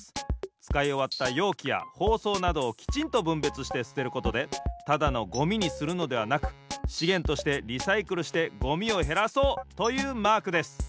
つかいおわったようきやほうそうなどをきちんとぶんべつしてすてることでただのゴミにするのではなくしげんとしてリサイクルしてゴミをへらそうというマークです。